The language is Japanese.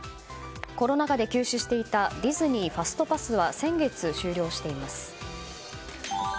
コロナ禍で休止していたディズニー・ファストパスは先月、終了しています。